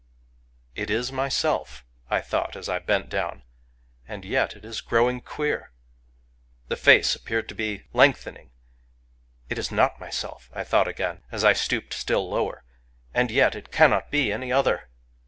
"*It is Myself,* I thought, as I bent down, — 'and yet, it is growing queer!* .•. The face appeared to be lengthening. ...* It is not My self,* I thought again, as I stooped still lower, — *and yet, it cannot be any other!